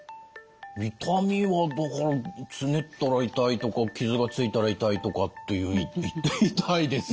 痛みはだからつねったら痛いとか傷がついたら痛いとかっていう痛いですよ。